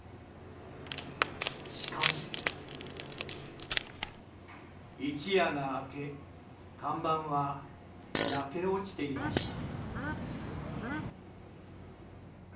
しかし一夜が明け、看板は焼け落ちていました。